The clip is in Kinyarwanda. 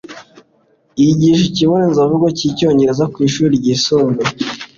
Yigisha ikibonezamvugo cy'icyongereza ku ishuri ryisumbuye.